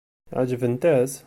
Ɛeǧbent-as?